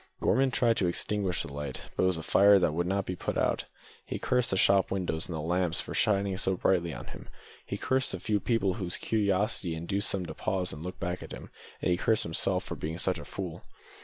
Gorman tried to extinguish the light, but it was a fire that would not be put out. He cursed the shop windows and the lamps for shining so brightly on him; he cursed the few people whose curiosity induced them to pause and look back at him, and he cursed himself for being such a fool.